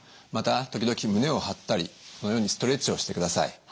また時々胸を張ったりこのようにストレッチをしてください。